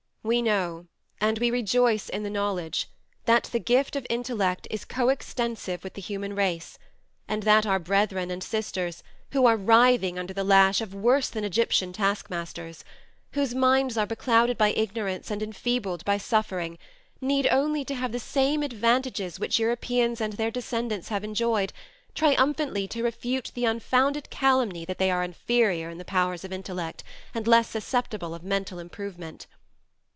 We know, and we rejoice in the knowledge, that the gift of intellect is co extensive with the human race, and that our brethren and sisters, who are writhing under the lash of worse than Egyptian taskmasters whose minds are beclouded by ignorance and enfeebled by suffering, need only to have the same advantages which Europeans and their descendants have enjoyed, triumphantly to refute the unfounded calumny that they are inferior in the powers of intellect, and less susceptible of mental improvement.